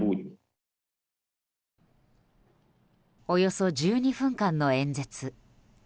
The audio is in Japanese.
およそ１２分間の演説。